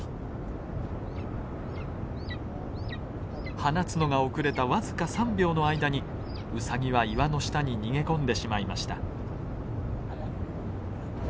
放つのが遅れた僅か３秒の間にウサギは岩の下に逃げ込んでしまいました。